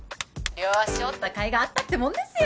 両足折った甲斐があったってもんですよ